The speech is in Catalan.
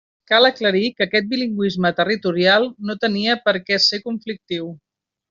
Cal aclarir que aquest bilingüisme territorial no tenia per què ser conflictiu.